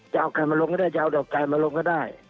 จะเอาไก่มาลงก็ได้จะเอาดอกไก่มาลงก็ได้